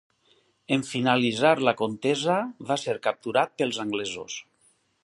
En finalitzar la contesa, va ser capturat pels anglesos.